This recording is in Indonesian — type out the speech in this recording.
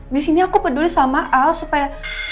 di sini aku peduli sama al supaya